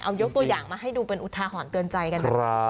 เอายกตัวอย่างมาให้ดูเป็นอุทาหรณ์เตือนใจกันแบบนี้